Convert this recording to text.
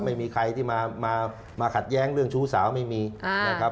ไม่มีใครที่มาขัดแย้งเรื่องชู้สาวไม่มีนะครับ